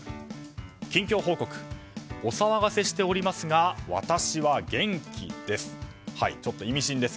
近況報告お騒がせしておりますが私は元気です。